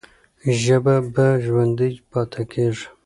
ژبه به ژوندۍ پاتې کېږي.